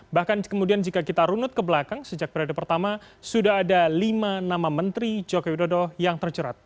bahkan kemudian jika kita runut ke belakang sejak periode pertama sudah ada lima nama menteri jokowi dodo yang terjerat